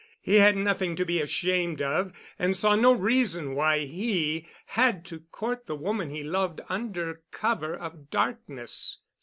He had nothing to be ashamed of and saw no reason why he had to court the woman he loved under cover of darkness.